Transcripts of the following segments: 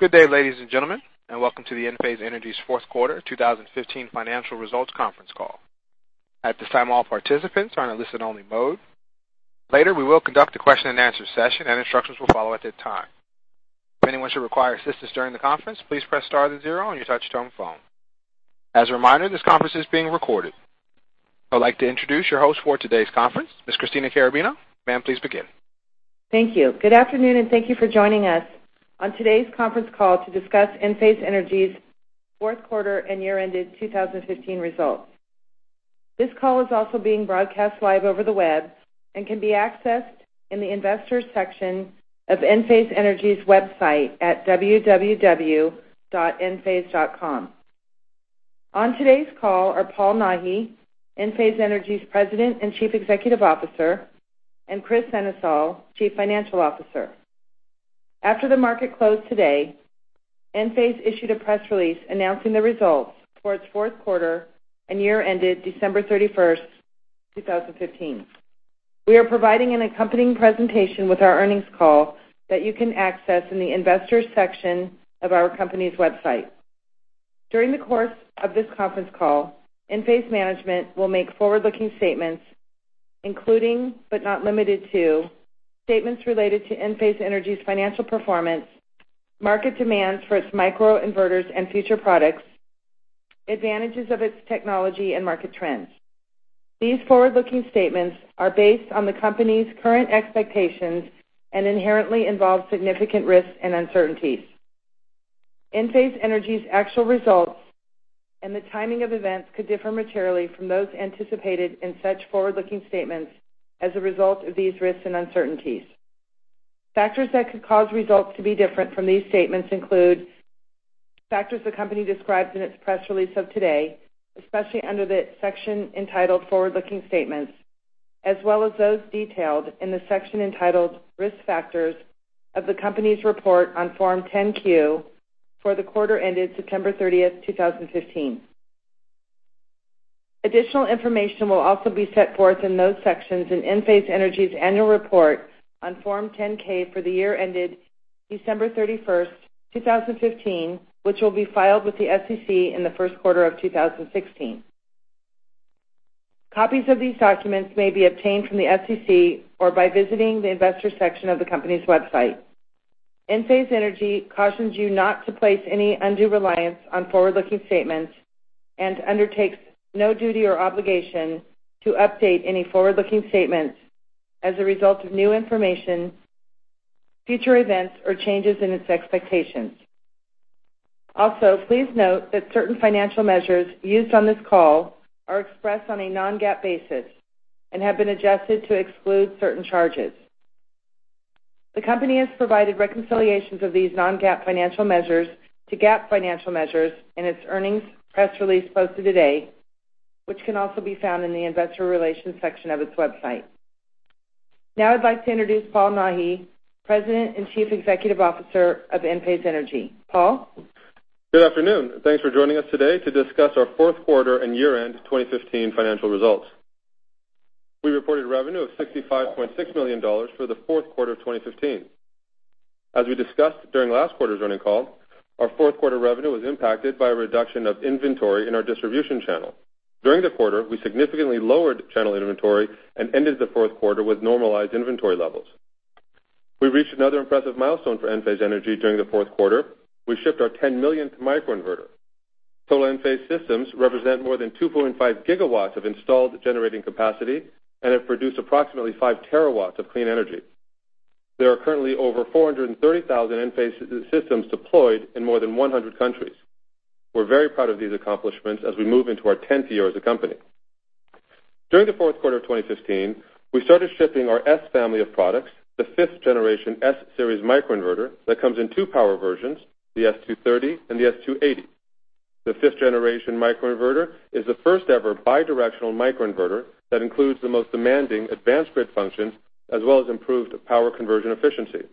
Good day, ladies and gentlemen, and welcome to the Enphase Energy's fourth quarter 2015 financial results conference call. At this time, all participants are in a listen-only mode. Later, we will conduct a question-and-answer session, and instructions will follow at that time. If anyone should require assistance during the conference, please press star then zero on your touch-tone phone. As a reminder, this conference is being recorded. I'd like to introduce your host for today's conference, Ms. Christina Carabino. Ma'am, please begin. Thank you. Good afternoon, and thank you for joining us on today's conference call to discuss Enphase Energy's fourth quarter and year-ended 2015 results. This call is also being broadcast live over the web and can be accessed in the Investors section of Enphase Energy's website at www.enphase.com. On today's call are Paul Nahi, Enphase Energy's President and Chief Executive Officer, and Kris Sennesael, Chief Financial Officer. After the market closed today, Enphase issued a press release announcing the results for its fourth quarter and year ended December 31st, 2015. We are providing an accompanying presentation with our earnings call that you can access in the Investors section of our company's website. During the course of this conference call, Enphase management will make forward-looking statements including, but not limited to, statements related to Enphase Energy's financial performance, market demands for its microinverters and future products, advantages of its technology, and market trends. These forward-looking statements are based on the company's current expectations and inherently involve significant risks and uncertainties. Enphase Energy's actual results and the timing of events could differ materially from those anticipated in such forward-looking statements as a result of these risks and uncertainties. Factors that could cause results to be different from these statements include factors the company describes in its press release of today, especially under the section entitled Forward-Looking Statements, as well as those detailed in the section entitled Risk Factors of the company's report on Form 10-Q for the quarter ended September 30th, 2015. Additional information will also be set forth in those sections in Enphase Energy's annual report on Form 10-K for the year ended December 31st, 2015, which will be filed with the SEC in the first quarter of 2016. Copies of these documents may be obtained from the SEC or by visiting the Investors section of the company's website. Enphase Energy cautions you not to place any undue reliance on forward-looking statements and undertakes no duty or obligation to update any forward-looking statements as a result of new information, future events, or changes in its expectations. Also, please note that certain financial measures used on this call are expressed on a non-GAAP basis and have been adjusted to exclude certain charges. The company has provided reconciliations of these non-GAAP financial measures to GAAP financial measures in its earnings press release posted today, which can also be found in the Investor Relations section of its website. I'd like to introduce Paul Nahi, President and Chief Executive Officer of Enphase Energy. Paul? Good afternoon. Thanks for joining us today to discuss our fourth quarter and year-end 2015 financial results. We reported revenue of $65.6 million for the fourth quarter of 2015. As we discussed during last quarter's earnings call, our fourth quarter revenue was impacted by a reduction of inventory in our distribution channel. During the quarter, we significantly lowered channel inventory and ended the fourth quarter with normalized inventory levels. We reached another impressive milestone for Enphase Energy during the fourth quarter. We shipped our 10 millionth microinverter. Total Enphase systems represent more than 2.5 gigawatts of installed generating capacity and have produced approximately 5 terawatts of clean energy. There are currently over 430,000 Enphase systems deployed in more than 100 countries. We're very proud of these accomplishments as we move into our 10th year as a company. During the fourth quarter of 2015, we started shipping our S family of products, the fifth-generation S-Series microinverter that comes in two power versions, the S230 and the S280. The fifth-generation microinverter is the first-ever bidirectional microinverter that includes the most demanding advanced grid functions, as well as improved power conversion efficiency.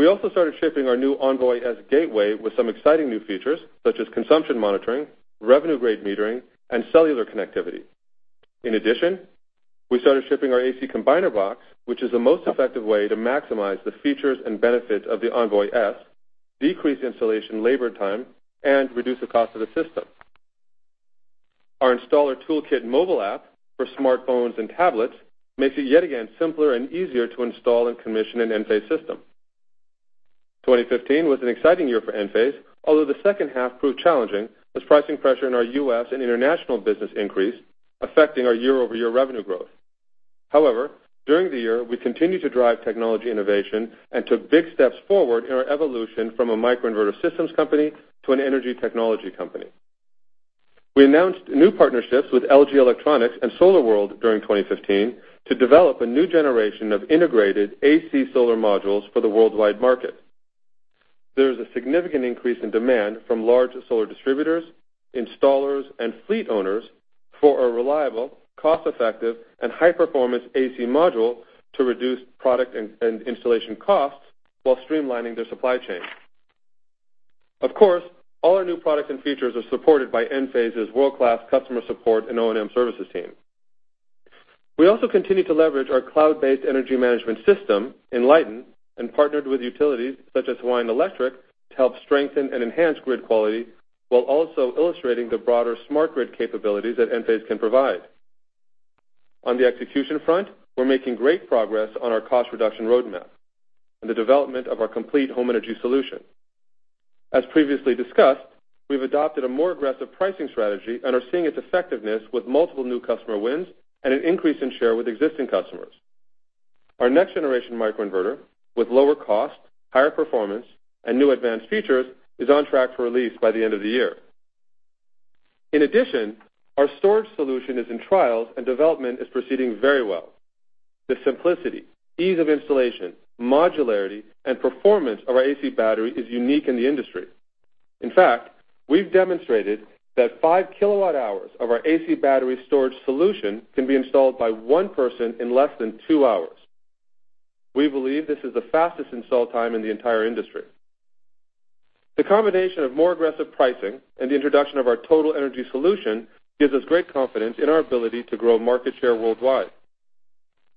We also started shipping our new Envoy-S Gateway with some exciting new features, such as consumption monitoring, revenue-grade metering, and cellular connectivity. In addition, we started shipping our AC Combiner Box, which is the most effective way to maximize the features and benefits of the Envoy-S, decrease installation labor time, and reduce the cost of the system. Our installer toolkit mobile app for smartphones and tablets makes it yet again simpler and easier to install and commission an Enphase system. 2015 was an exciting year for Enphase, although the second half proved challenging as pricing pressure in our U.S. and international business increased, affecting our year-over-year revenue growth. During the year, we continued to drive technology innovation and took big steps forward in our evolution from a microinverter systems company to an energy technology company. We announced new partnerships with LG Electronics and SolarWorld during 2015 to develop a new generation of integrated AC solar modules for the worldwide market. There is a significant increase in demand from large solar distributors, installers, and fleet owners for a reliable, cost-effective, and high-performance AC module to reduce product and installation costs while streamlining their supply chain. Of course, all our new products and features are supported by Enphase's world-class customer support and O&M services team. We also continue to leverage our cloud-based energy management system, Enlighten, and partnered with utilities such as Hawaiian Electric to help strengthen and enhance grid quality while also illustrating the broader smart grid capabilities that Enphase can provide. On the execution front, we're making great progress on our cost reduction roadmap and the development of our complete home energy solution. As previously discussed, we've adopted a more aggressive pricing strategy and are seeing its effectiveness with multiple new customer wins and an increase in share with existing customers. Our next-generation microinverter, with lower cost, higher performance, and new advanced features, is on track for release by the end of the year. In addition, our storage solution is in trials and development is proceeding very well. The simplicity, ease of installation, modularity, and performance of our AC Battery is unique in the industry. In fact, we've demonstrated that five kilowatt-hours of our AC Battery storage solution can be installed by one person in less than two hours. We believe this is the fastest install time in the entire industry. The combination of more aggressive pricing and the introduction of our total energy solution gives us great confidence in our ability to grow market share worldwide.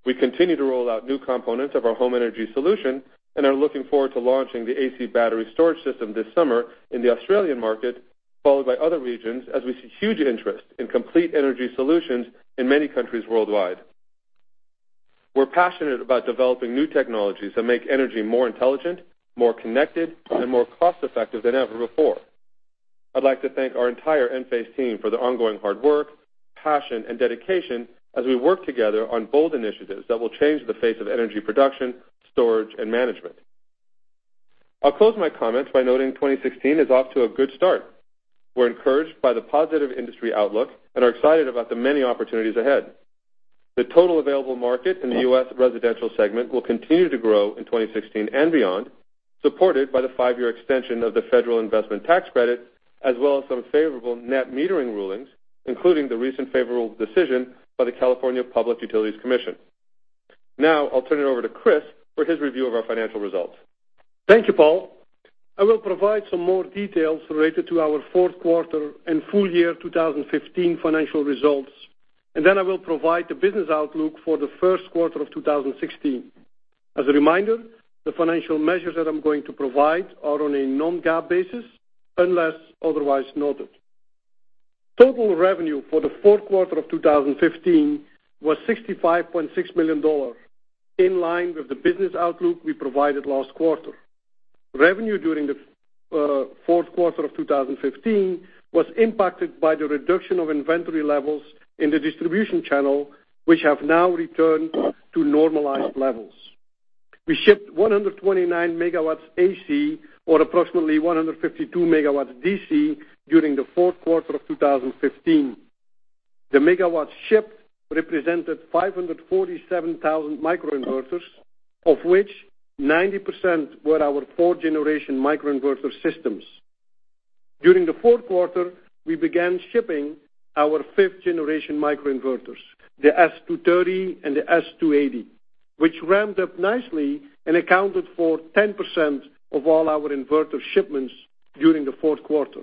We continue to roll out new components of our home energy solution and are looking forward to launching the AC Battery storage system this summer in the Australian market, followed by other regions, as we see huge interest in complete energy solutions in many countries worldwide. We're passionate about developing new technologies that make energy more intelligent, more connected, and more cost-effective than ever before. I'd like to thank our entire Enphase team for their ongoing hard work, passion, and dedication as we work together on bold initiatives that will change the face of energy production, storage, and management. I'll close my comments by noting 2016 is off to a good start. We're encouraged by the positive industry outlook and are excited about the many opportunities ahead. The total available market in the U.S. residential segment will continue to grow in 2016 and beyond, supported by the five-year extension of the federal investment tax credit, as well as some favorable net metering rulings, including the recent favorable decision by the California Public Utilities Commission. Now, I'll turn it over to Kris for his review of our financial results. Thank you, Paul. I will provide some more details related to our fourth quarter and full year 2015 financial results. Then I will provide the business outlook for the first quarter of 2016. As a reminder, the financial measures that I'm going to provide are on a non-GAAP basis unless otherwise noted. Total revenue for the fourth quarter of 2015 was $65.6 million, in line with the business outlook we provided last quarter. Revenue during the fourth quarter of 2015 was impacted by the reduction of inventory levels in the distribution channel, which have now returned to normalized levels. We shipped 129 megawatts AC, or approximately 152 megawatts DC, during the fourth quarter of 2015. The megawatts shipped represented 547,000 microinverters, of which 90% were our fourth-generation microinverter systems. During the fourth quarter, we began shipping our fifth-generation microinverters, the S230 and the S280, which ramped up nicely and accounted for 10% of all our inverter shipments during the fourth quarter.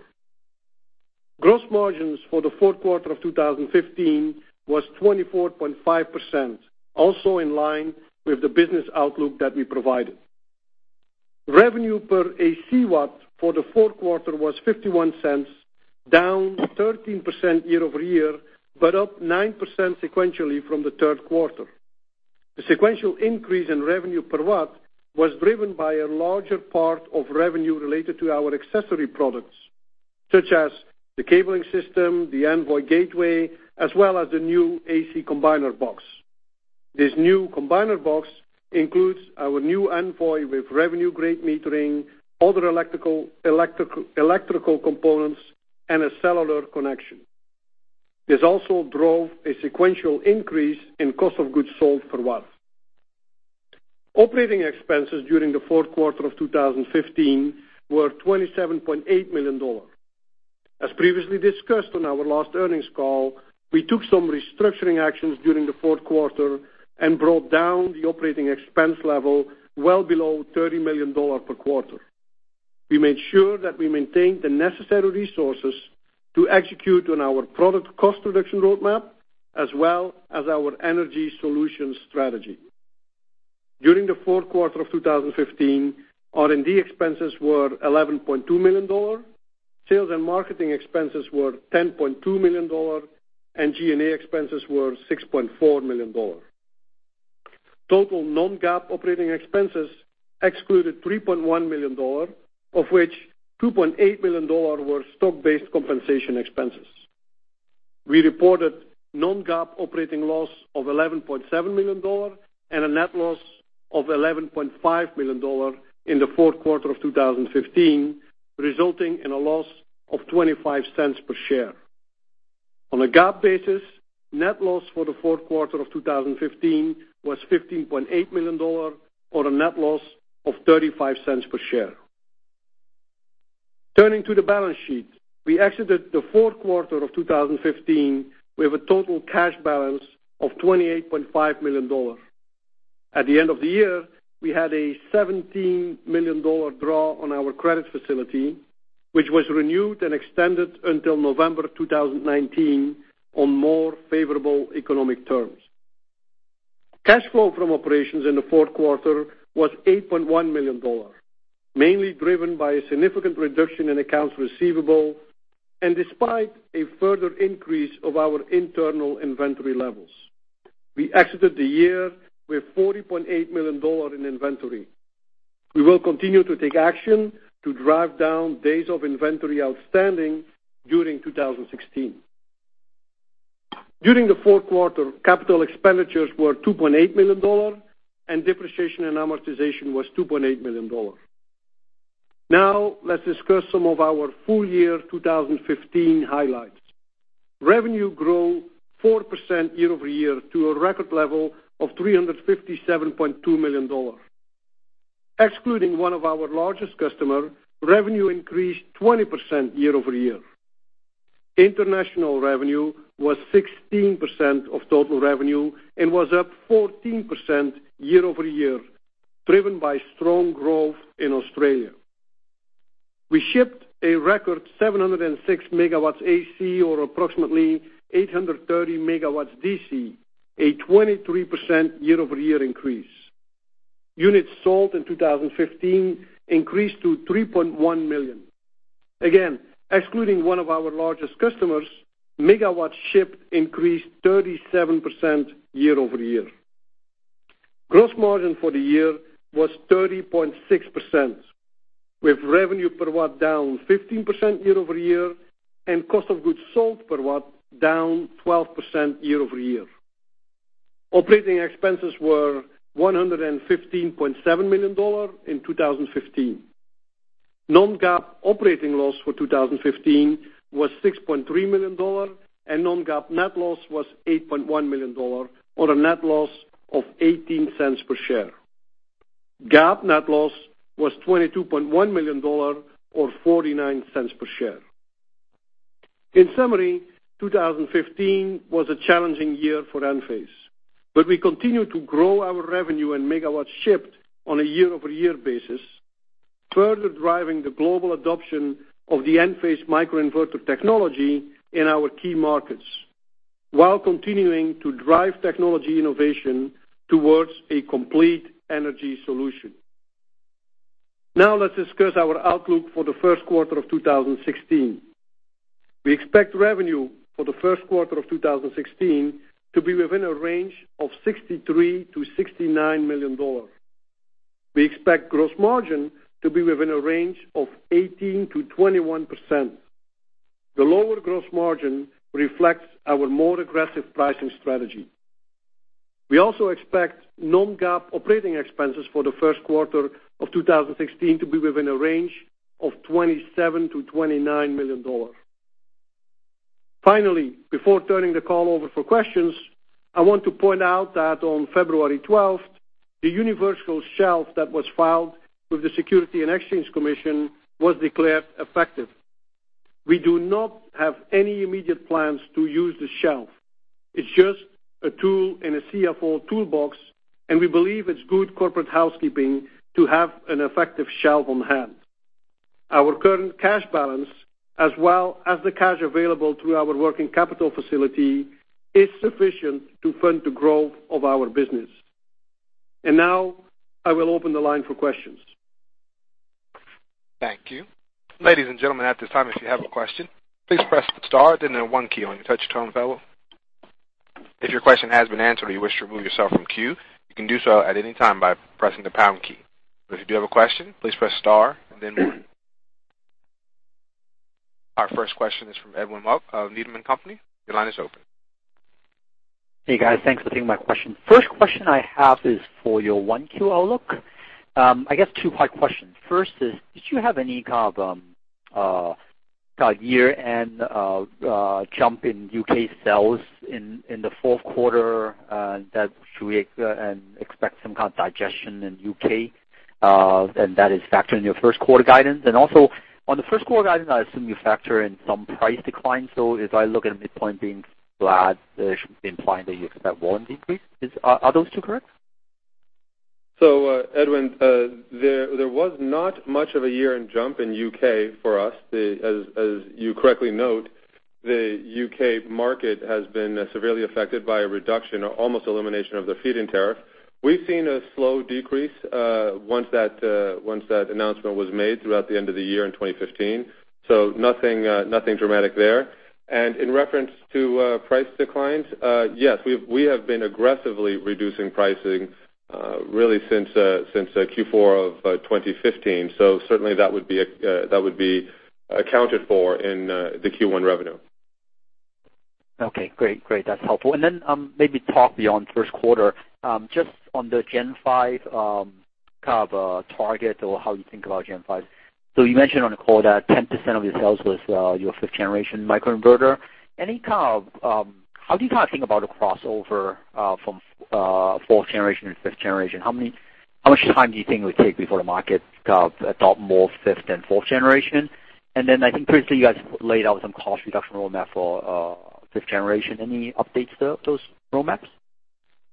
Gross margins for the fourth quarter of 2015 was 24.5%, also in line with the business outlook that we provided. Revenue per AC watt for the fourth quarter was $0.51, down 13% year-over-year, but up 9% sequentially from the third quarter. The sequential increase in revenue per watt was driven by a larger part of revenue related to our accessory products, such as the cabling system, the Envoy gateway, as well as the new AC Combiner Box. This new AC Combiner Box includes our new Envoy with revenue-grade metering, other electrical components, and a cellular connection. This also drove a sequential increase in cost of goods sold per watt. Operating expenses during the fourth quarter of 2015 were $27.8 million. As previously discussed on our last earnings call, we took some restructuring actions during the fourth quarter and brought down the operating expense level well below $30 million per quarter. We made sure that we maintained the necessary resources to execute on our product cost reduction roadmap as well as our energy solution strategy. During the fourth quarter of 2015, R&D expenses were $11.2 million, sales and marketing expenses were $10.2 million, and G&A expenses were $6.4 million. Total non-GAAP operating expenses excluded $3.1 million, of which $2.8 million were stock-based compensation expenses. We reported non-GAAP operating loss of $11.7 million and a net loss of $11.5 million in the fourth quarter of 2015, resulting in a loss of $0.25 per share. On a GAAP basis, net loss for the fourth quarter of 2015 was $15.8 million, or a net loss of $0.35 per share. Turning to the balance sheet. We exited the fourth quarter of 2015 with a total cash balance of $28.5 million. At the end of the year, we had a $17 million draw on our credit facility, which was renewed and extended until November 2019 on more favorable economic terms. Cash flow from operations in the fourth quarter was $8.1 million, mainly driven by a significant reduction in accounts receivable and despite a further increase of our internal inventory levels. We exited the year with $40.8 million in inventory. We will continue to take action to drive down days of inventory outstanding during 2016. During the fourth quarter, capital expenditures were $2.8 million, and depreciation and amortization was $2.8 million. Now, let's discuss some of our full year 2015 highlights. Revenue grew 4% year-over-year to a record level of $357.2 million. Excluding one of our largest customer, revenue increased 20% year-over-year. International revenue was 16% of total revenue and was up 14% year-over-year, driven by strong growth in Australia. We shipped a record 706 megawatts AC, or approximately 830 megawatts DC, a 23% year-over-year increase. Units sold in 2015 increased to 3.1 million. Again, excluding one of our largest customers, megawatts shipped increased 37% year-over-year. Gross margin for the year was 30.6%, with revenue per watt down 15% year-over-year and cost of goods sold per watt down 12% year-over-year. Operating expenses were $115.7 million in 2015. Non-GAAP operating loss for 2015 was $6.3 million, and non-GAAP net loss was $8.1 million, or a net loss of $0.18 per share. GAAP net loss was $22.1 million, or $0.49 per share. In summary, 2015 was a challenging year for Enphase, but we continue to grow our revenue and megawatts shipped on a year-over-year basis, further driving the global adoption of the Enphase microinverter technology in our key markets, while continuing to drive technology innovation towards a complete energy solution. Let's discuss our outlook for the first quarter of 2016. We expect revenue for the first quarter of 2016 to be within a range of $63 million-$69 million. We expect gross margin to be within a range of 18%-21%. The lower gross margin reflects our more aggressive pricing strategy. We also expect non-GAAP operating expenses for the first quarter of 2016 to be within a range of $27 million-$29 million. Finally, before turning the call over for questions, I want to point out that on February 12th, the universal shelf that was filed with the Securities and Exchange Commission was declared effective. We do not have any immediate plans to use the shelf. It's just a tool in a CFO toolbox, and we believe it's good corporate housekeeping to have an effective shelf on hand. Our current cash balance, as well as the cash available through our working capital facility, is sufficient to fund the growth of our business. I will open the line for questions. Thank you. Ladies and gentlemen, at this time, if you have a question, please press the star then the one key on your touch-tone phone. If your question has been answered or you wish to remove yourself from queue, you can do so at any time by pressing the pound key. If you do have a question, please press star and then one. Our first question is from Edwin Mok of Needham & Company. Your line is open. Hey, guys. Thanks for taking my question. First question I have is for your 1Q outlook. I guess two-part question. First is, did you have any year-end jump in U.K. sales in the fourth quarter, that should we expect some kind of digestion in U.K., and that is factored in your first quarter guidance? On the first quarter guidance, I assume you factor in some price declines. As I look at a midpoint being flat, should be implying that you expect one decrease. Are those two correct? Edwin, there was not much of a year-end jump in U.K. for us. As you correctly note, the U.K. market has been severely affected by a reduction or almost elimination of the feed-in tariff. We've seen a slow decrease, once that announcement was made throughout the end of the year in 2015, nothing dramatic there. In reference to price declines, yes, we have been aggressively reducing pricing really since Q4 of 2015, certainly that would be accounted for in the Q1 revenue. Okay, great. That's helpful. Maybe talk beyond first quarter, just on the Gen 5 target or how you think about Gen 5. You mentioned on the call that 10% of your sales was your fifth-generation microinverter. How do you guys think about a crossover from fourth generation and fifth generation? How much time do you think it would take before the market adopts more fifth than fourth generation? I think previously you guys laid out some cost reduction roadmap for fifth generation. Any updates to those roadmaps?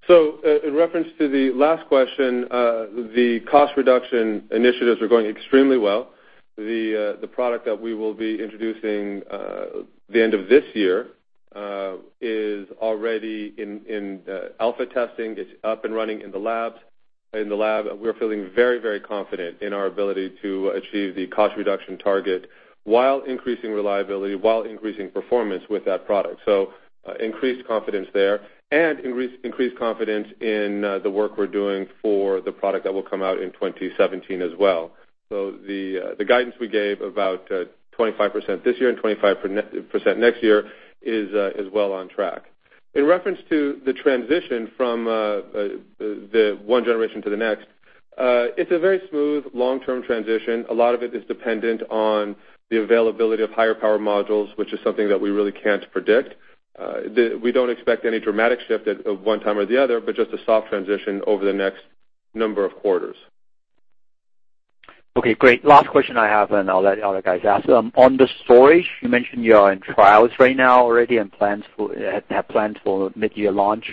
In reference to the last question, the cost reduction initiatives are going extremely well. The product that we will be introducing at the end of this year is already in alpha testing. It's up and running in the lab. We're feeling very confident in our ability to achieve the cost reduction target while increasing reliability, while increasing performance with that product. Increased confidence there and increased confidence in the work we're doing for the product that will come out in 2017 as well. The guidance we gave about 25% this year and 25% next year is well on track. In reference to the transition from the one generation to the next, it's a very smooth long-term transition. A lot of it is dependent on the availability of higher power modules, which is something that we really can't predict. We don't expect any dramatic shift of one time or the other, but just a soft transition over the next number of quarters. Okay, great. Last question I have, and I will let other guys ask. On the storage, you mentioned you are in trials right now already and have plans for mid-year launch.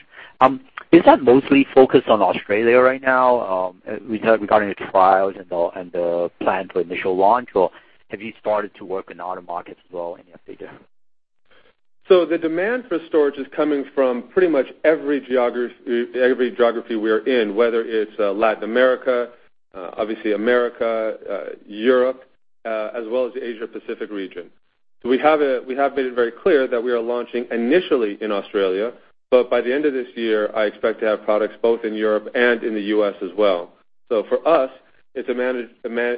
Is that mostly focused on Australia right now regarding the trials and the plan for initial launch, or have you started to work in other markets as well? Any update there? The demand for storage is coming from pretty much every geography we are in, whether it is Latin America, obviously the U.S., Europe, as well as the Asia Pacific region. We have been very clear that we are launching initially in Australia, but by the end of this year, I expect to have products both in Europe and in the U.S. as well. For us, it is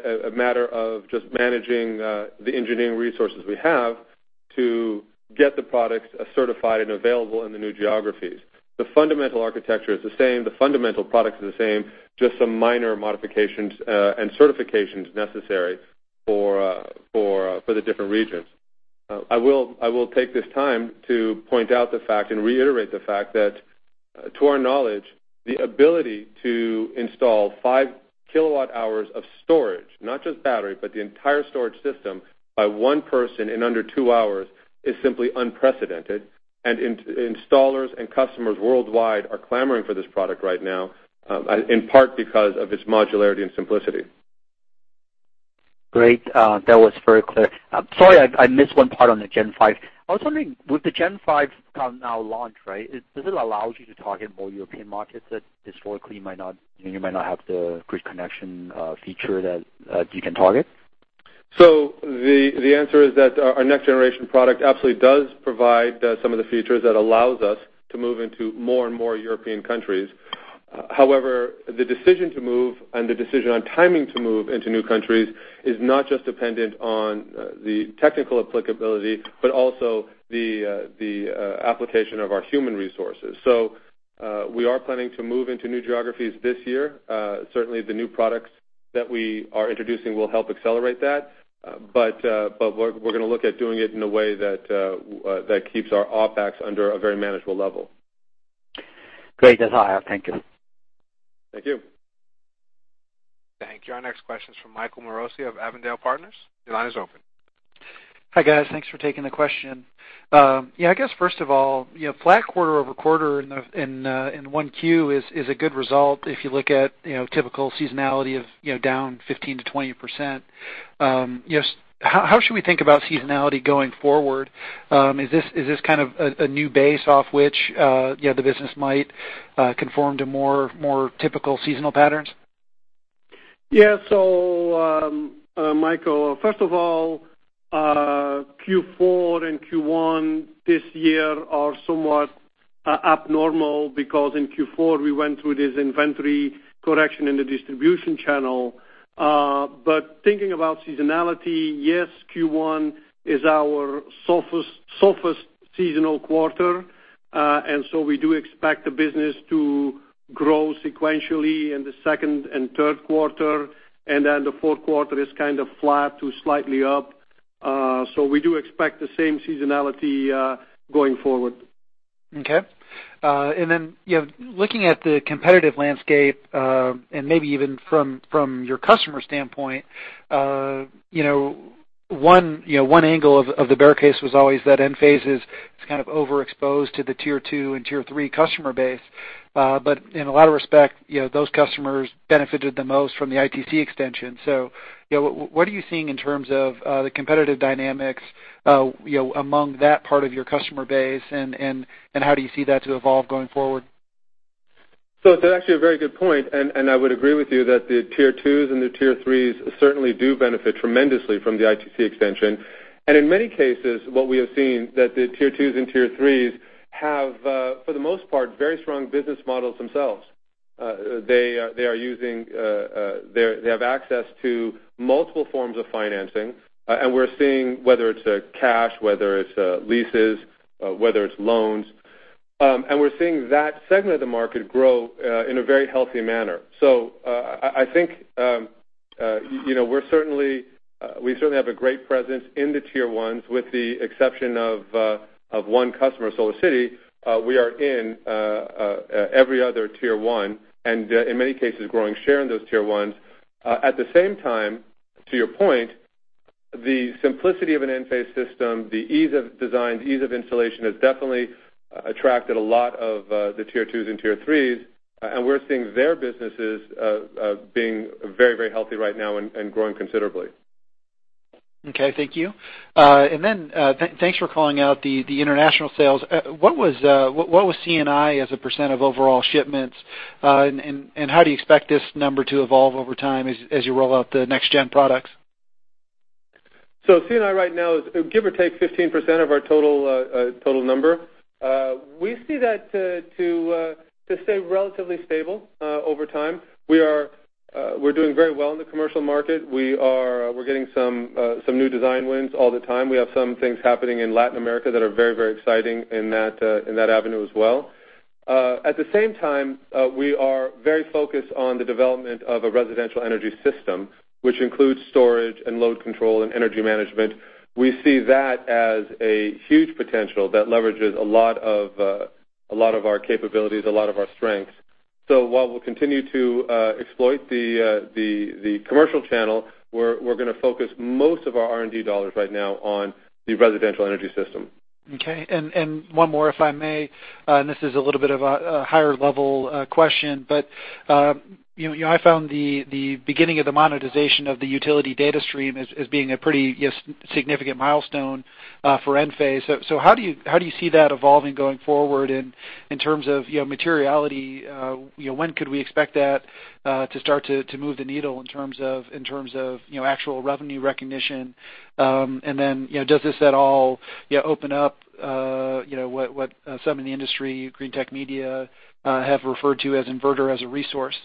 a matter of just managing the engineering resources we have to get the products certified and available in the new geographies. The fundamental architecture is the same, the fundamental products are the same, just some minor modifications and certifications necessary for the different regions. I will take this time to point out the fact and reiterate the fact that to our knowledge, the ability to install five kilowatt hours of storage, not just battery, but the entire storage system by one person in under two hours is simply unprecedented and installers and customers worldwide are clamoring for this product right now, in part because of its modularity and simplicity. Great. That was very clear. Sorry, I missed one part on the Gen 5. I was wondering, with the Gen 5 now launched, does it allow you to target more European markets that historically you might not have the grid connection feature that you can target? The answer is that our next-generation product absolutely does provide some of the features that allows us to move into more and more European countries. However, the decision to move and the decision on timing to move into new countries is not just dependent on the technical applicability, but also the application of our human resources. We are planning to move into new geographies this year. Certainly, the new products that we are introducing will help accelerate that. We're going to look at doing it in a way that keeps our OpEx under a very manageable level. Great. That's all I have. Thank you. Thank you. Thank you. Our next question is from Michael Morosi of Avondale Partners. Your line is open. Hi, guys. Thanks for taking the question. I guess first of all, flat quarter-over-quarter in one Q is a good result if you look at typical seasonality of down 15%-20%. How should we think about seasonality going forward? Is this kind of a new base off which the business might conform to more typical seasonal patterns? Yeah. Michael, first of all, Q4 and Q1 this year are somewhat abnormal because in Q4, we went through this inventory correction in the distribution channel. Thinking about seasonality, yes, Q1 is our softest seasonal quarter. We do expect the business to grow sequentially in the second and third quarter, the fourth quarter is kind of flat to slightly up. We do expect the same seasonality going forward. Okay. Looking at the competitive landscape, and maybe even from your customer standpoint, one angle of the bear case was always that Enphase is kind of overexposed to the tier 2 and tier 3 customer base. In a lot of respect, those customers benefited the most from the ITC extension. What are you seeing in terms of the competitive dynamics among that part of your customer base, and how do you see that to evolve going forward? It's actually a very good point, and I would agree with you that the tier 2s and the tier 3s certainly do benefit tremendously from the ITC extension. In many cases, what we have seen that the tier 2s and tier 3s have, for the most part, very strong business models themselves. They have access to multiple forms of financing. We're seeing whether it's cash, whether it's leases, whether it's loans, we're seeing that segment of the market grow in a very healthy manner. I think we certainly have a great presence in the tier 1s, with the exception of one customer, SolarCity, we are in every other tier 1, in many cases, growing share in those tier 1s. At the same time, to your point. The simplicity of an Enphase system, the ease of design, ease of installation has definitely attracted a lot of the tier 2s and tier 3s, and we're seeing their businesses being very healthy right now and growing considerably. Okay, thank you. Then, thanks for calling out the international sales. What was C&I as a % of overall shipments, and how do you expect this number to evolve over time as you roll out the next-gen products? C&I right now is give or take 15% of our total number. We see that to stay relatively stable over time. We're doing very well in the commercial market. We're getting some new design wins all the time. We have some things happening in Latin America that are very exciting in that avenue as well. At the same time, we are very focused on the development of a residential energy system, which includes storage and load control and energy management. We see that as a huge potential that leverages a lot of our capabilities, a lot of our strengths. While we'll continue to exploit the commercial channel, we're going to focus most of our R&D dollars right now on the residential energy system. Okay. One more, if I may, this is a little bit of a higher-level question, I found the beginning of the monetization of the utility data stream as being a pretty significant milestone for Enphase. How do you see that evolving going forward in terms of materiality? When could we expect that to start to move the needle in terms of actual revenue recognition? Then, does this at all open up what some in the industry, Greentech Media, have referred to as inverter as a resource?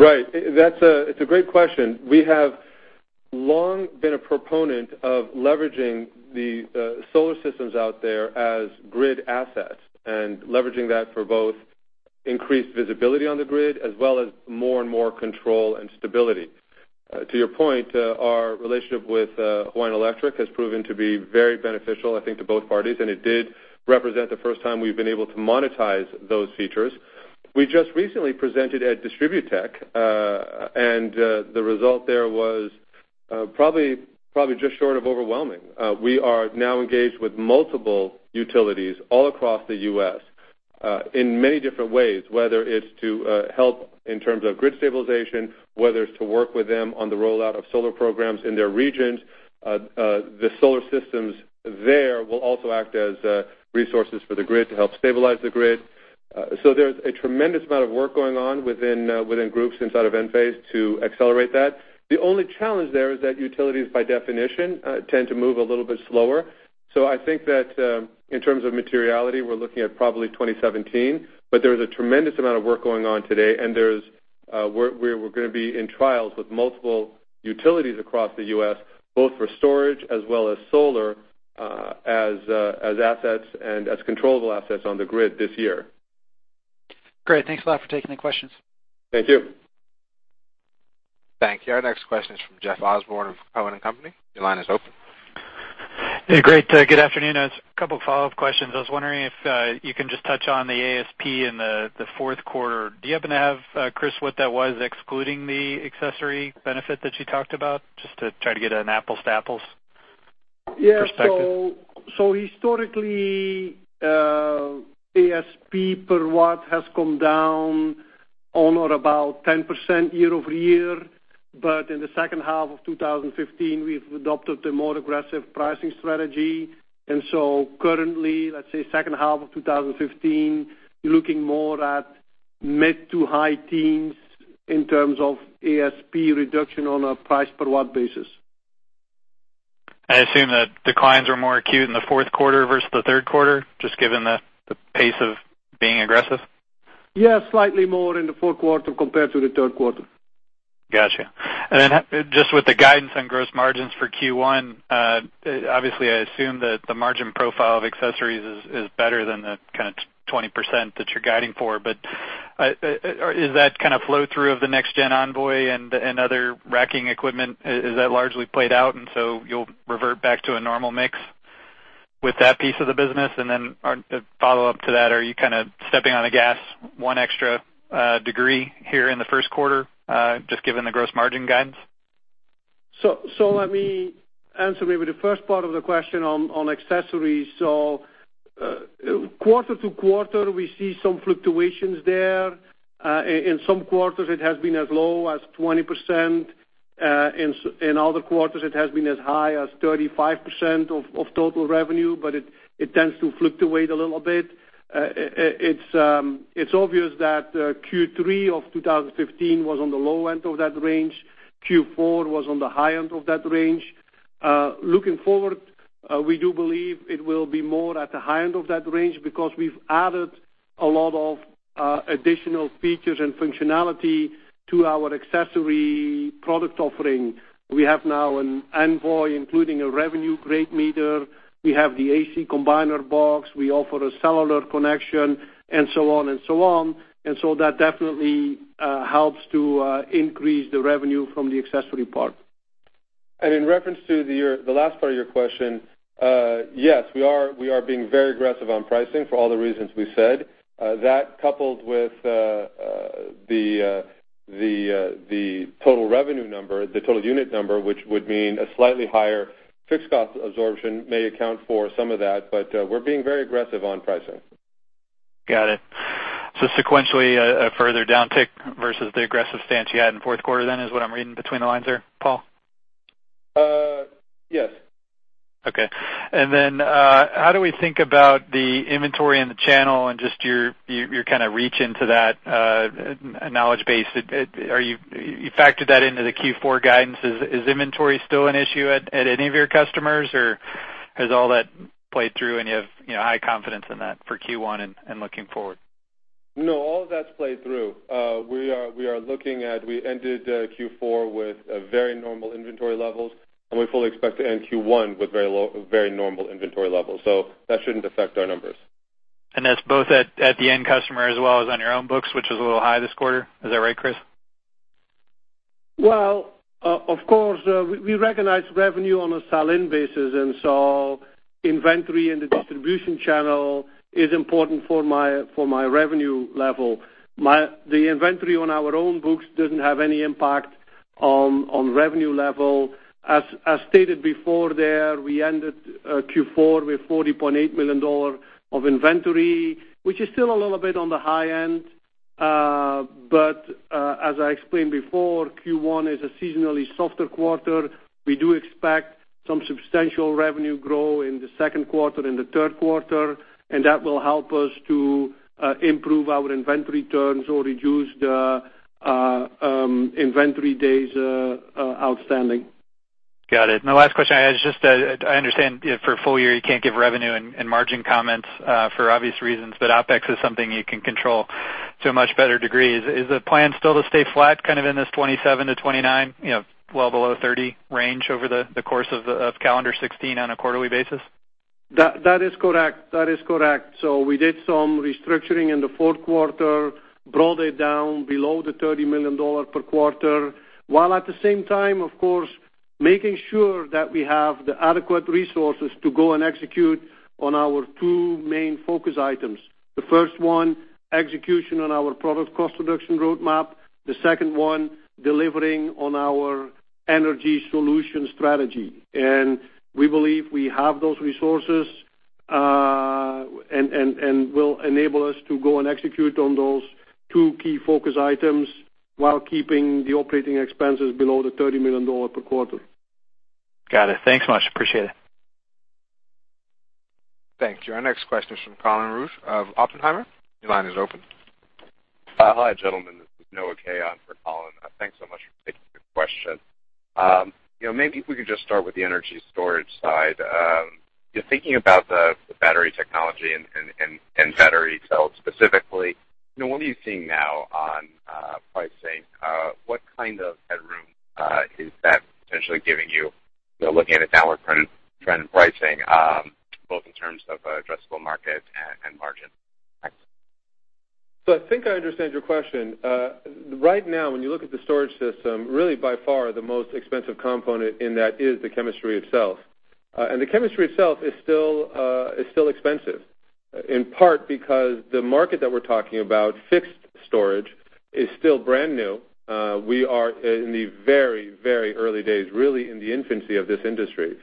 Right. It's a great question. We have long been a proponent of leveraging the solar systems out there as grid assets, and leveraging that for both increased visibility on the grid as well as more and more control and stability. To your point, our relationship with Hawaiian Electric has proven to be very beneficial, I think, to both parties, and it did represent the first time we've been able to monetize those features. We just recently presented at DistribuTECH, and the result there was probably just short of overwhelming. We are now engaged with multiple utilities all across the U.S. in many different ways, whether it's to help in terms of grid stabilization, whether it's to work with them on the rollout of solar programs in their regions. The solar systems there will also act as resources for the grid to help stabilize the grid. There's a tremendous amount of work going on within groups inside of Enphase to accelerate that. The only challenge there is that utilities, by definition, tend to move a little bit slower. I think that in terms of materiality, we're looking at probably 2017, but there is a tremendous amount of work going on today, and we're going to be in trials with multiple utilities across the U.S., both for storage as well as solar, as assets and as controllable assets on the grid this year. Great. Thanks a lot for taking the questions. Thank you. Thank you. Our next question is from Jeff Osborne of Cowen and Company. Your line is open. Hey, great. Good afternoon. A couple of follow-up questions. I was wondering if you can just touch on the ASP in the fourth quarter. Do you happen to have, Kris, what that was excluding the accessory benefit that you talked about? Just to try to get an apples to apples perspective. Yeah. Historically, ASP per watt has come down on or about 10% year-over-year. In the second half of 2015, we've adopted a more aggressive pricing strategy. Currently, let's say second half of 2015, you're looking more at mid to high teens in terms of ASP reduction on a price per watt basis. I assume that declines are more acute in the fourth quarter versus the third quarter, just given the pace of being aggressive. Yeah, slightly more in the fourth quarter compared to the third quarter. Just with the guidance on gross margins for Q1, obviously, I assume that the margin profile of accessories is better than the 20% that you're guiding for. But is that flow through of the next gen Envoy and other racking equipment, is that largely played out, and so you'll revert back to a normal mix with that piece of the business? A follow-up to that, are you stepping on the gas one extra degree here in the first quarter, just given the gross margin guidance? Let me answer maybe the first part of the question on accessories. Quarter to quarter, we see some fluctuations there. In some quarters, it has been as low as 20%. In other quarters, it has been as high as 35% of total revenue, but it tends to fluctuate a little bit. It's obvious that Q3 of 2015 was on the low end of that range. Q4 was on the high end of that range. Looking forward, we do believe it will be more at the high end of that range because we've added a lot of additional features and functionality to our accessory product offering. We have now an Envoy, including a revenue-grade meter. We have the AC Combiner Box. We offer a cellular connection and so on and so on. That definitely helps to increase the revenue from the accessory part. In reference to the last part of your question, yes, we are being very aggressive on pricing for all the reasons we said. That coupled with the total revenue number, the total unit number, which would mean a slightly higher fixed cost absorption, may account for some of that, but we're being very aggressive on pricing. Got it. Sequentially, a further downtick versus the aggressive stance you had in the fourth quarter then, is what I'm reading between the lines there, Paul? Yes. Okay. Then, how do we think about the inventory in the channel and just your kind of reach into that knowledge base? You factored that into the Q4 guidance. Is inventory still an issue at any of your customers, or has all that played through and you have high confidence in that for Q1 and looking forward? No, all of that's played through. We ended Q4 with very normal inventory levels, and we fully expect to end Q1 with very normal inventory levels. That shouldn't affect our numbers. That's both at the end customer as well as on your own books, which is a little high this quarter. Is that right, Kris? Well, of course, we recognize revenue on a sell-in basis, inventory in the distribution channel is important for my revenue level. The inventory on our own books doesn't have any impact on revenue level. As stated before, we ended Q4 with $40.8 million of inventory, which is still a little bit on the high end. As I explained before, Q1 is a seasonally softer quarter. We do expect some substantial revenue growth in the second quarter and the third quarter, and that will help us to improve our inventory turns or reduce the inventory days outstanding. Got it. The last question I had is just that I understand for a full year, you can't give revenue and margin comments for obvious reasons, OpEx is something you can control to a much better degree. Is the plan still to stay flat, kind of in this 27-29, well below 30 range over the course of calendar 2016 on a quarterly basis? That is correct. We did some restructuring in the fourth quarter, brought it down below the $30 million per quarter, while at the same time, of course, making sure that we have the adequate resources to go and execute on our two main focus items. The first one, execution on our product cost reduction roadmap. The second one, delivering on our energy solution strategy. We believe we have those resources, and will enable us to go and execute on those two key focus items while keeping the operating expenses below the $30 million per quarter. Got it. Thanks much. Appreciate it. Thank you. Our next question is from Colin Rusch of Oppenheimer. Your line is open. Hi, gentlemen. This is Noah Kaye on for Colin. Thanks so much for taking the question. If we could just start with the energy storage side. Just thinking about the battery technology and battery cells specifically, what are you seeing now on pricing? What kind of headroom is that potentially giving you, looking at a downward trend in pricing, both in terms of addressable market and margin? Thanks. I think I understand your question. Right now, when you look at the storage system, really by far the most expensive component in that is the chemistry itself. The chemistry itself is still expensive, in part because the market that we're talking about, fixed storage, is still brand new. We are in the very early days, really in the infancy of this industry.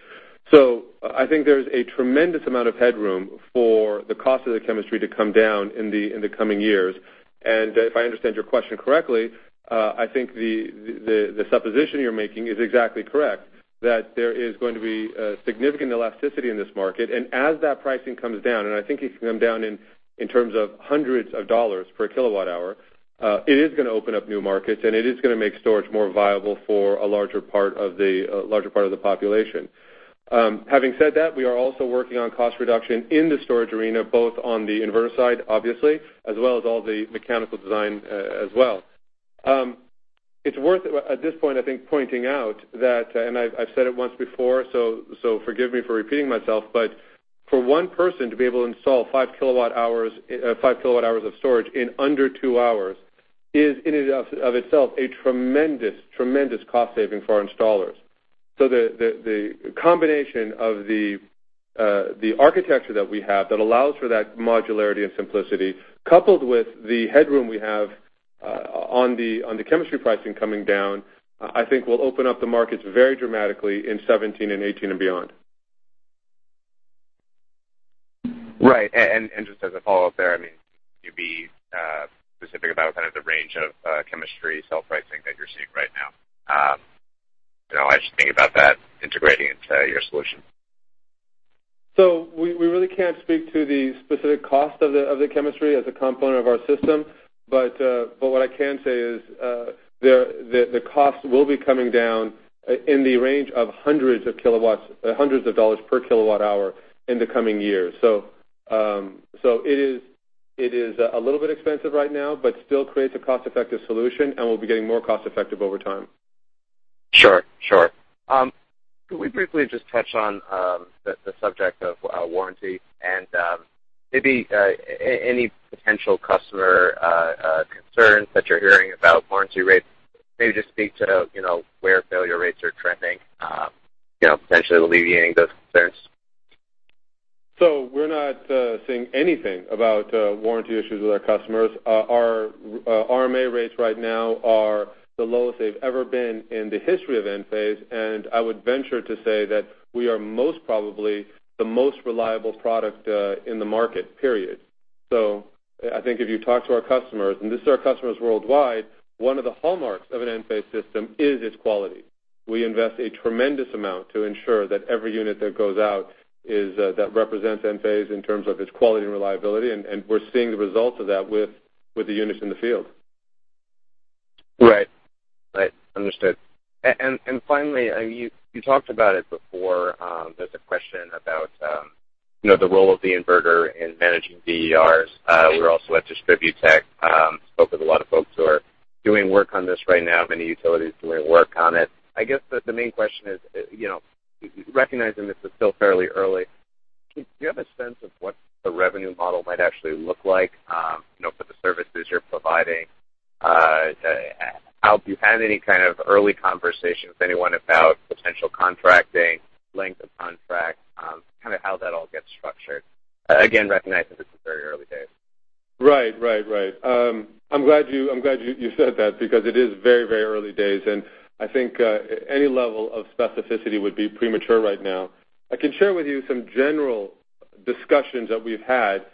I think there's a tremendous amount of headroom for the cost of the chemistry to come down in the coming years. If I understand your question correctly, I think the supposition you're making is exactly correct, that there is going to be significant elasticity in this market. As that pricing comes down, I think it can come down in terms of hundreds of dollars per kilowatt hour, it is going to open up new markets, it is going to make storage more viable for a larger part of the population. Having said that, we are also working on cost reduction in the storage arena, both on the inverter side, obviously, as well as all the mechanical design as well. It's worth at this point, I think, pointing out that, I've said it once before, forgive me for repeating myself, for one person to be able to install five kilowatt-hours of storage in under two hours is in and of itself a tremendous cost saving for our installers. The combination of the architecture that we have that allows for that modularity and simplicity, coupled with the headroom we have on the chemistry pricing coming down, I think will open up the markets very dramatically in 2017 and 2018 and beyond. Right. Just as a follow-up there, can you be specific about kind of the range of chemistry cell pricing that you're seeing right now as you think about that integrating into your solution? We really can't speak to the specific cost of the chemistry as a component of our system. What I can say is the cost will be coming down in the range of hundreds of dollars per kilowatt hour in the coming years. It is a little bit expensive right now, but still creates a cost-effective solution and will be getting more cost-effective over time. Sure. Could we briefly just touch on the subject of warranty and maybe any potential customer concerns that you're hearing about warranty rates? Maybe just speak to where failure rates are trending, potentially alleviating those concerns. We're not seeing anything about warranty issues with our customers. Our RMA rates right now are the lowest they've ever been in the history of Enphase, and I would venture to say that we are most probably the most reliable product in the market, period. I think if you talk to our customers, and these are our customers worldwide, one of the hallmarks of an Enphase system is its quality. We invest a tremendous amount to ensure that every unit that goes out represents Enphase in terms of its quality and reliability, and we're seeing the results of that with the units in the field. Right. Understood. Finally, you talked about it before. There's a question about the role of the inverter in managing DERs. We were also at DistribuTECH, spoke with a lot of folks who are doing work on this right now, many utilities doing work on it. I guess the main question is, recognizing this is still fairly early, do you have a sense of what the revenue model might actually look like for the services you're providing? Have you had any kind of early conversation with anyone about potential contracting, length of contract, how that all gets structured? Again, recognizing this is very early days. Right. I'm glad you said that because it is very early days, and I think any level of specificity would be premature right now. I can share with you some general discussions that we've had.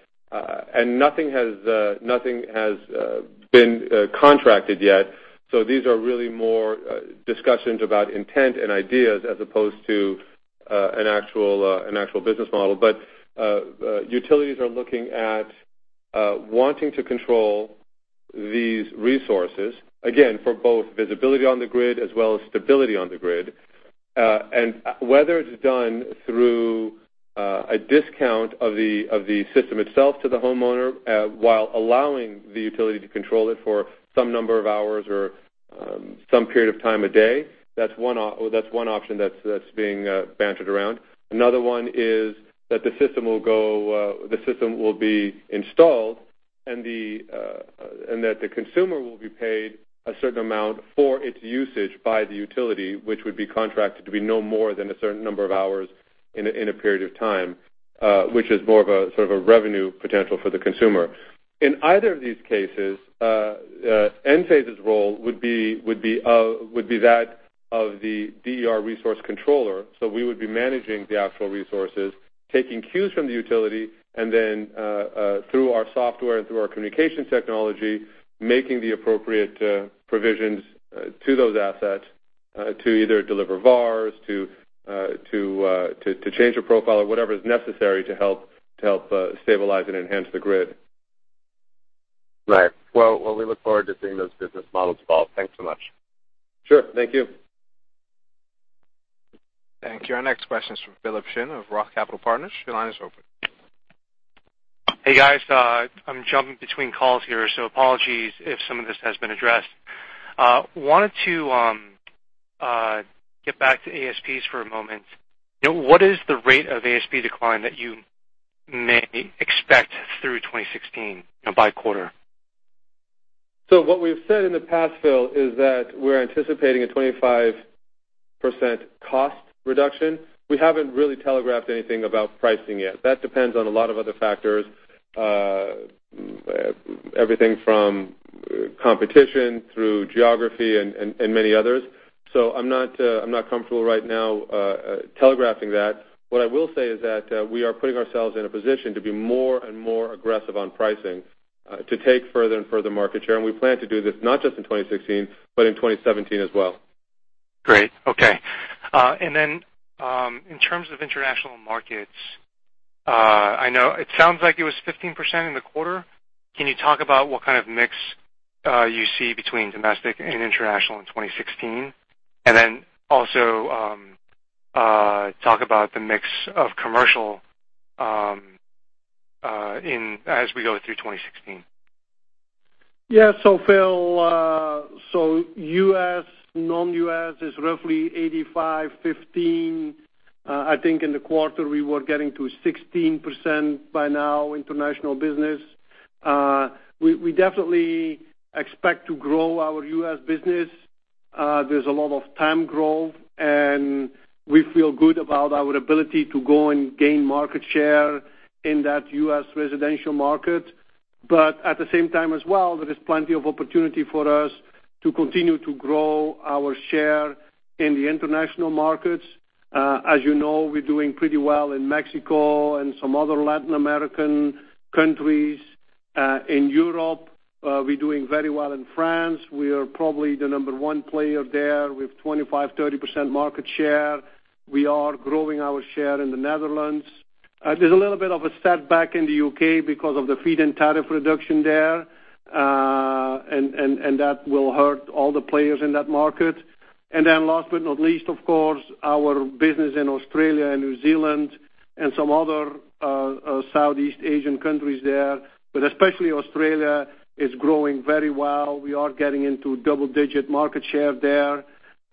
Nothing has been contracted yet, so these are really more discussions about intent and ideas as opposed to an actual business model. Utilities are looking at wanting to control these resources, again, for both visibility on the grid as well as stability on the grid. Whether it's done through a discount of the system itself to the homeowner, while allowing the utility to control it for some number of hours or some period of time of day, that's one option that's being bantered around. Another one is that the system will be installed and that the consumer will be paid a certain amount for its usage by the utility, which would be contracted to be no more than a certain number of hours in a period of time, which is more of a sort of a revenue potential for the consumer. In either of these cases, Enphase's role would be that of the DER resource controller. We would be managing the actual resources, taking cues from the utility, and then through our software and through our communication technology, making the appropriate provisions to those assets to either deliver VARs, to change a profile or whatever is necessary to help stabilize and enhance the grid. Right. We look forward to seeing those business models evolve. Thanks so much. Sure. Thank you. Thank you. Our next question is from Philip Shen of ROTH Capital Partners. Your line is open. Hey, guys. I'm jumping between calls here, apologies if some of this has been addressed. Wanted to get back to ASPs for a moment. What is the rate of ASP decline that you may expect through 2016, by quarter? What we've said in the past, Philip Shen, is that we're anticipating a 25% cost reduction. We haven't really telegraphed anything about pricing yet. That depends on a lot of other factors, everything from competition through geography and many others. I'm not comfortable right now telegraphing that. What I will say is that we are putting ourselves in a position to be more and more aggressive on pricing to take further and further market share, and we plan to do this not just in 2016, but in 2017 as well. Great. Okay. In terms of international markets, it sounds like it was 15% in the quarter. Can you talk about what kind of mix you see between domestic and international in 2016? Also talk about the mix of commercial as we go through 2016. Philip Shen, U.S., non-U.S. is roughly 85/15. I think in the quarter, we were getting to 16% by now international business. We definitely expect to grow our U.S. business. There's a lot of TAM growth, and we feel good about our ability to go and gain market share in that U.S. residential market. At the same time as well, there is plenty of opportunity for us to continue to grow our share in the international markets. As you know, we're doing pretty well in Mexico and some other Latin American countries. In Europe, we're doing very well in France. We are probably the number one player there with 25%, 30% market share. We are growing our share in the Netherlands. There's a little bit of a setback in the U.K. because of the feed-in tariff reduction there, and that will hurt all the players in that market. Last but not least, of course, our business in Australia and New Zealand and some other Southeast Asian countries there, but especially Australia, is growing very well. We are getting into double-digit market share there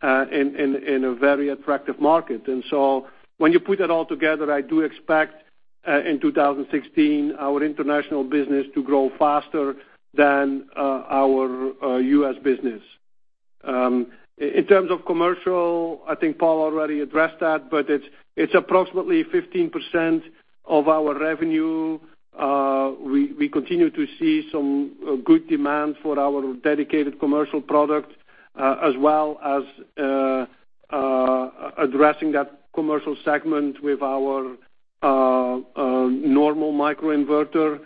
in a very attractive market. When you put it all together, I do expect in 2016, our international business to grow faster than our U.S. business. In terms of commercial, I think Paul already addressed that, but it's approximately 15% of our revenue. We continue to see some good demand for our dedicated commercial product, as well as addressing that commercial segment with our normal microinverter.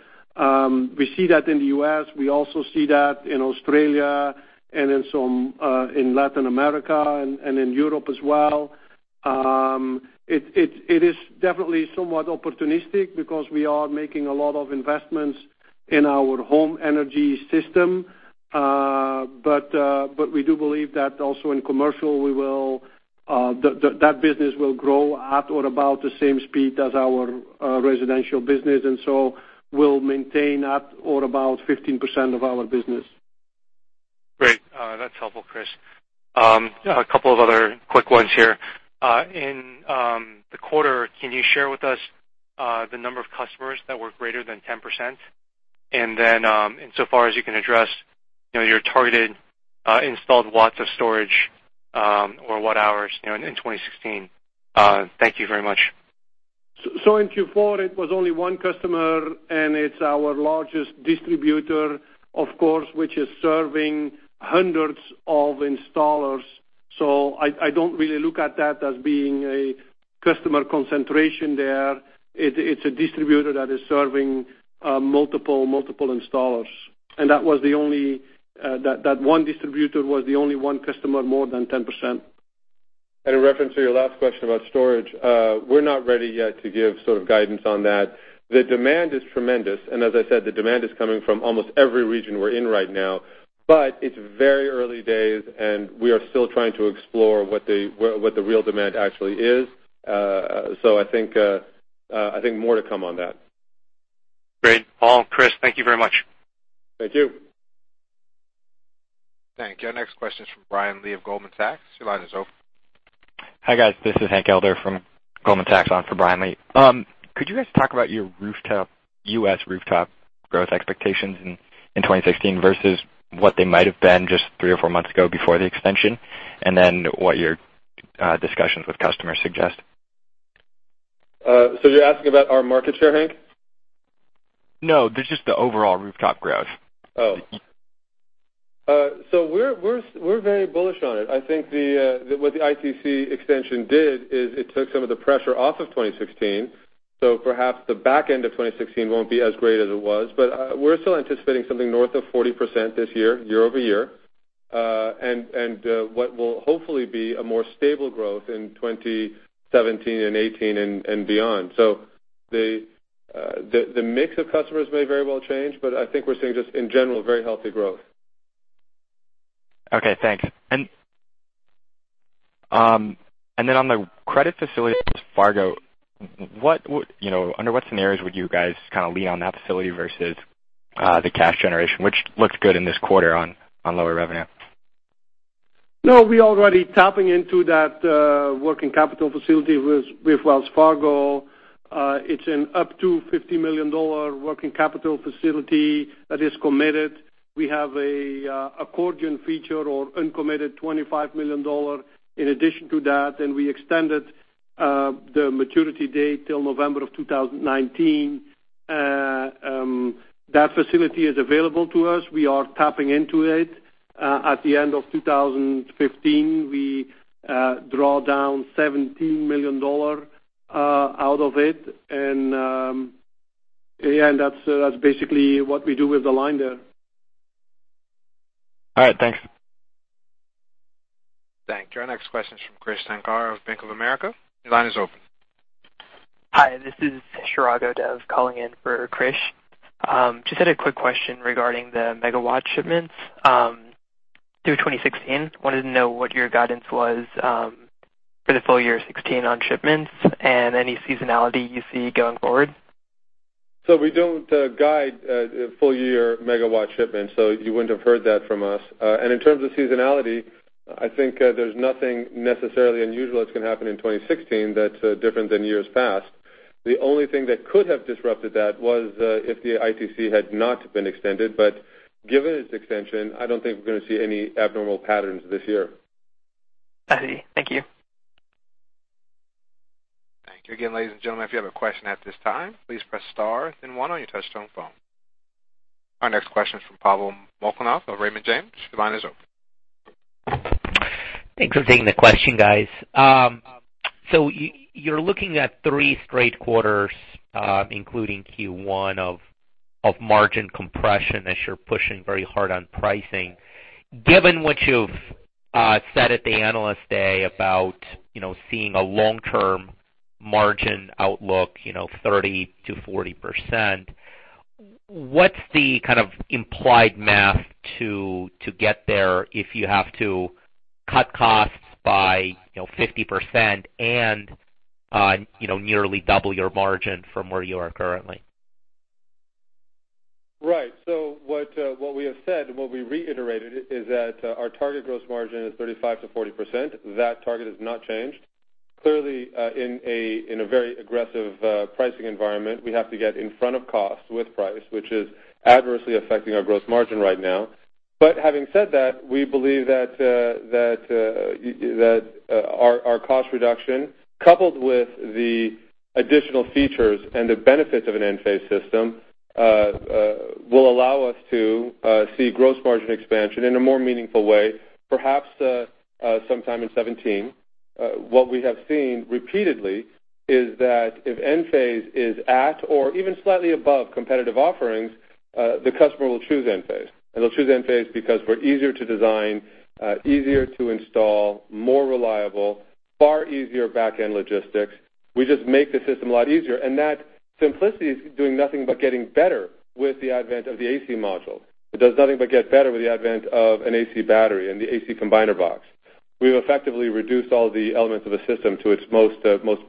We see that in the U.S. We also see that in Australia and in Latin America and in Europe as well. It is definitely somewhat opportunistic because we are making a lot of investments in our home energy system. We do believe that also in commercial, that business will grow at or about the same speed as our residential business, will maintain at or about 15% of our business. Great. That's helpful, Kris. A couple of other quick ones here. In the quarter, can you share with us the number of customers that were greater than 10%? Then, insofar as you can address, your targeted installed watts of storage or watt hours in 2016. Thank you very much. In Q4, it was only one customer, and it's our largest distributor, of course, which is serving hundreds of installers. I don't really look at that as being a customer concentration there. It's a distributor that is serving multiple installers. That one distributor was the only one customer more than 10%. In reference to your last question about storage, we're not ready yet to give sort of guidance on that. The demand is tremendous, and as I said, the demand is coming from almost every region we're in right now. It's very early days, and we are still trying to explore what the real demand actually is. I think more to come on that. Great. Paul, Kris, thank you very much. Thank you. Thank you. Our next question is from Brian Lee of Goldman Sachs. Your line is open. Hi, guys. This is Hank Elder from Goldman Sachs on for Brian Lee. Could you guys talk about your U.S. rooftop growth expectations in 2016 versus what they might've been just three or four months ago before the extension? What your discussions with customers suggest? You're asking about our market share, Hank? No, just the overall rooftop growth. We're very bullish on it. I think what the ITC extension did is it took some of the pressure off of 2016. Perhaps the back end of 2016 won't be as great as it was. We're still anticipating something north of 40% this year-over-year. What will hopefully be a more stable growth in 2017 and 2018 and beyond. The mix of customers may very well change, but I think we're seeing just in general, very healthy growth. Okay, thanks. Then on the credit facility with Wells Fargo, under what scenarios would you guys kind of lean on that facility versus the cash generation, which looks good in this quarter on lower revenue? No, we already tapping into that working capital facility with Wells Fargo. It's an up to $50 million working capital facility that is committed. We have a accordion feature or uncommitted $25 million in addition to that, and we extended the maturity date till November of 2019. That facility is available to us. We are tapping into it. At the end of 2015, we draw down $17 million out of it, and that's basically what we do with the line there. All right, thanks. Thank you. Our next question is from Krish Sankar of Bank of America. Your line is open. Hi, this is Chirag Odhav calling in for Krish. Just had a quick question regarding the megawatt shipments. Through 2016, wanted to know what your guidance was for the full year 2016 on shipments and any seasonality you see going forward. We don't guide full year megawatt shipments, so you wouldn't have heard that from us. In terms of seasonality, I think there's nothing necessarily unusual that's going to happen in 2016 that's different than years past. The only thing that could have disrupted that was if the ITC had not been extended. Given its extension, I don't think we're going to see any abnormal patterns this year. I see. Thank you. Thank you again, ladies and gentlemen, if you have a question at this time, please press star then one on your touchtone phone. Our next question is from Pavel Molchanov of Raymond James. Your line is open. Thanks for taking the question, guys. You're looking at three straight quarters, including Q1 of margin compression as you're pushing very hard on pricing. Given what you've said at the Analyst Day about seeing a long-term margin outlook, 30%-40%, what's the kind of implied math to get there if you have to cut costs by 50% and nearly double your margin from where you are currently? What we have said, what we reiterated is that our target gross margin is 35%-40%. That target has not changed. Clearly, in a very aggressive pricing environment, we have to get in front of cost with price, which is adversely affecting our gross margin right now. Having said that, we believe that our cost reduction, coupled with the additional features and the benefits of an Enphase system, will allow us to see gross margin expansion in a more meaningful way, perhaps sometime in 2017. What we have seen repeatedly is that if Enphase is at or even slightly above competitive offerings, the customer will choose Enphase, and they'll choose Enphase because we're easier to design, easier to install, more reliable, far easier back-end logistics. We just make the system a lot easier, that simplicity is doing nothing but getting better with the advent of the AC Module. It does nothing but get better with the advent of an AC Battery and the AC Combiner Box. We've effectively reduced all the elements of a system to its most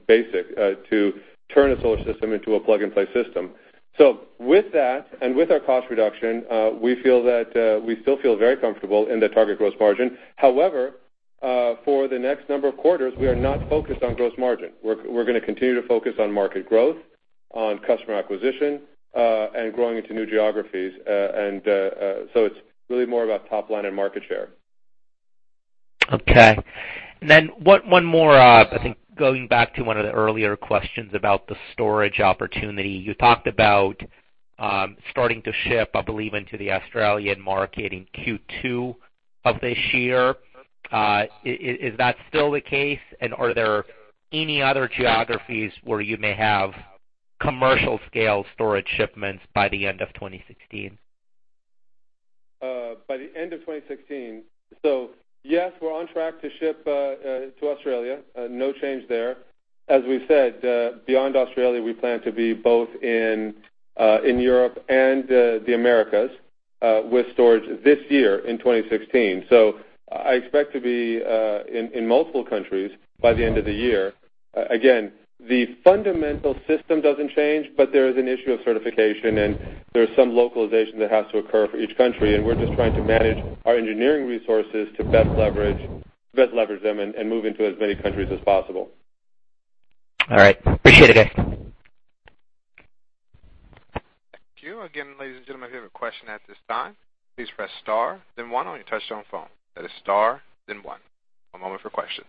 basic to turn a solar system into a plug-and-play system. With that, with our cost reduction, we still feel very comfortable in the target gross margin. However, for the next number of quarters, we are not focused on gross margin. We're going to continue to focus on market growth, on customer acquisition, and growing into new geographies. It's really more about top line and market share. One more, I think going back to one of the earlier questions about the storage opportunity. You talked about starting to ship, I believe, into the Australian market in Q2 of this year. Is that still the case? Are there any other geographies where you may have commercial-scale storage shipments by the end of 2016? By the end of 2016. Yes, we're on track to ship to Australia. No change there. As we've said, beyond Australia, we plan to be both in Europe and the Americas with storage this year in 2016. I expect to be in multiple countries by the end of the year. Again, the fundamental system doesn't change, but there is an issue of certification, and there is some localization that has to occur for each country, and we're just trying to manage our engineering resources to best leverage them and move into as many countries as possible. All right. Appreciate it. Thank you. Again, ladies and gentlemen, if you have a question at this time, please press star then one on your touchtone phone. That is star then one. One moment for questions.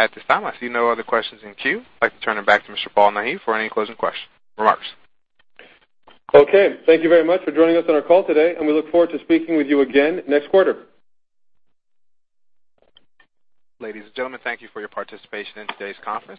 At this time, I see no other questions in queue. I'd like to turn it back to Mr. Paul Nahi for any closing remarks. Okay. Thank you very much for joining us on our call today, and we look forward to speaking with you again next quarter. Ladies and gentlemen, thank you for your participation in today's conference.